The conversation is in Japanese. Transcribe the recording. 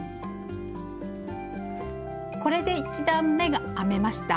これで１段めが編めました。